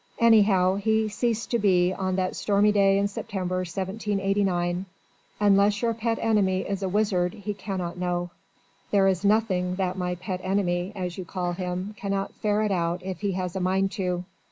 Anyhow, he ceased to be on that stormy day in September, 1789. Unless your pet enemy is a wizard he cannot know." "There is nothing that my pet enemy as you call him cannot ferret out if he has a mind to.